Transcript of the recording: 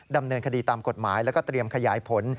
ดำเนินคดีตามกฎหมายแล้วก็เตรียมขยายผล